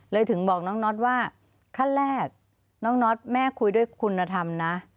ถึงบอกน้องน็อตว่าขั้นแรกน้องน็อตแม่คุยด้วยคุณธรรมนะ